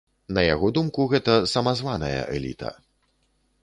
На яго думку, гэта самазваная эліта.